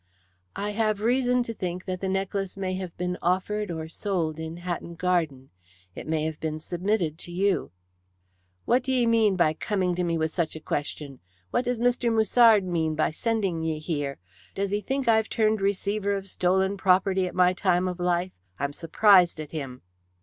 "I have reason to think that the necklace may have been offered or sold in Hatton Garden. It may have been submitted to you." "What d'ye mean by coming to me with such a question? What does Mr. Musard mean by sending ye here? Does he think I've turned receiver of stolen property at my time of life? I'm surprised at him."